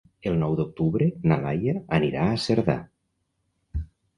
El nou d'octubre na Laia anirà a Cerdà.